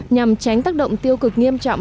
nhằm tránh tác động tiêu cực nghiêm trọng